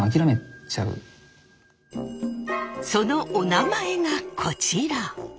そのおなまえがこちら。